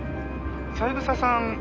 三枝さん